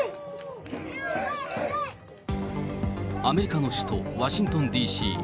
アメリカの首都ワシントンＤＣ。